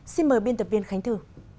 xin mời biên tập viên khánh thư